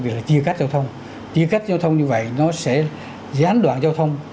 việc là chia cắt giao thông chia cắt giao thông như vậy nó sẽ gián đoạn giao thông